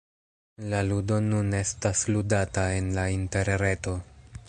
La ludo nun estas ludata en la interreto.